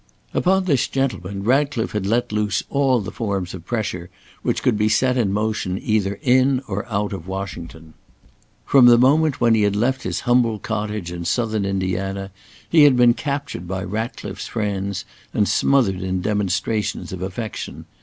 Upon this gentleman Ratcliffe had let loose all the forms of "pressure" which could be set in motion either in or out of Washington. From the moment when he had left his humble cottage in Southern Indiana, he had been captured by Ratcliffe's friends, and smothered in demonstrations of affection.